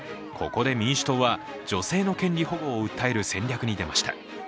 ここで民主党は女性の権利保護を訴える戦略に出ました。